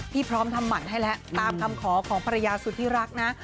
พร้อมทำหั่นให้แล้วตามคำขอของภรรยาสุธิรักนะ